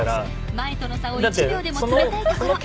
前との差を１秒でも詰めたいところ。